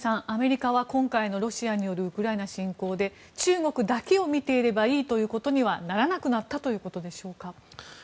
アメリカは今回のロシアによるウクライナ侵攻で中国だけを見ていればいいということにはならなくなったということでしょうか。